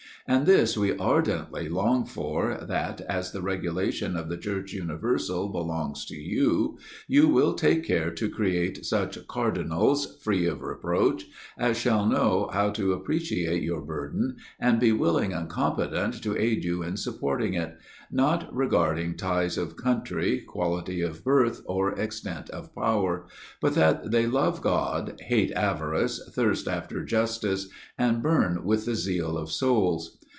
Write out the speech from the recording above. And this we ardently long for, that, as the regulation of the Church universal belongs to you, you will take care to create such cardinals, free of reproach, as shall know how to appreciate your burthen, and be willing and competent to aid you in supporting it; not regarding ties of country, quality of birth, or extent of power; but that they love God, hate avarice, thirst after justice, and burn with the zeal of souls.